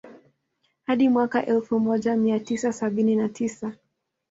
Hadi mwaka elfu moja mia tisa sabini na tisa